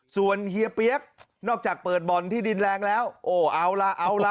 ส่วนเฮียเปี๊ยกนอกจากเปิดบ่อนที่ดินแรงแล้วโอ้เอาล่ะเอาล่ะ